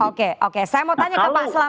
oke oke saya mau tanya kepada pak selamat